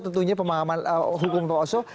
tentunya pemahaman hukum pak oso